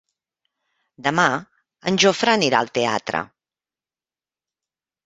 Demà en Jofre anirà al teatre.